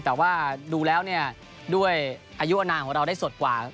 แต่ว่าดูแล้วโดยอายุอนาวของเราได้สดกว่า